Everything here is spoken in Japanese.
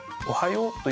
おはよう。